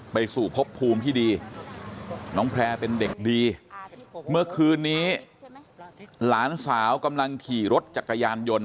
ไปสู่พบภูมิที่ดีน้องแพร่เป็นเด็กดีเมื่อคืนนี้หลานสาวกำลังขี่รถจักรยานยนต์